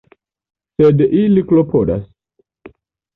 Sed ili klopodas.